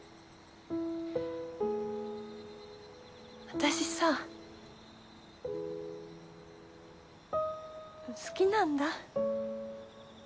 私さ好きなんだ。